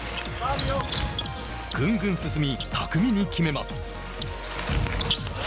ぐんぐん進み、巧みに決めます。